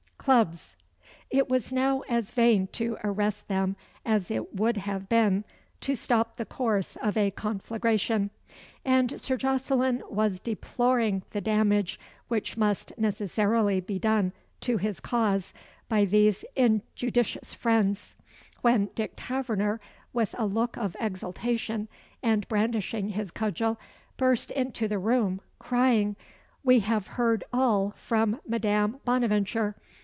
clubs!" It was now as vain to arrest them as it would have been to stop the course of a conflagration; and Sir Jocelyn was deploring the damage which must necessarily be done to his cause by these injudicious friends, when Dick Taverner, with a look of exultation, and brandishing his cudgel, burst into the room, crying "We have heard all from Madame Bonaventure.